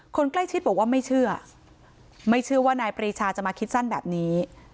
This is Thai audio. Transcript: คนใกล้ชิดบอกว่าไม่เชื่อไม่เชื่อว่านายปรีชาจะมาคิดสั้นแบบนี้